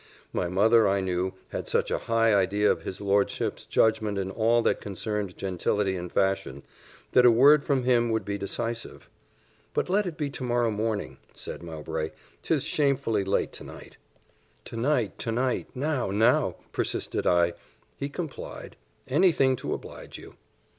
My mother, I knew, had such a high idea of his lordship's judgment in all that concerned gentility and fashion, that a word from him would be decisive. "But let it be to morrow morning," said Mowbray; "'tis shamefully late to night." "To night to night now, now," persisted I. He complied: "Any thing to oblige you."